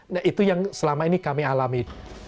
nah itu yang selama ini kami alami